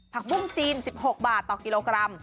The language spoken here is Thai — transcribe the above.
บุ้งจีน๑๖บาทต่อกิโลกรัม